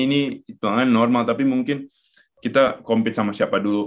ini hitungannya normal tapi mungkin kita compete sama siapa dulu